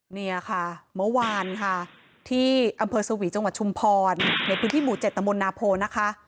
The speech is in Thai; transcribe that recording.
เนี่ยค่ะเมื่อวานค่ะที่อำเภอสวีจังหวัดชุมพรในพื้นที่หมู่๗ตมนาโพนะคะ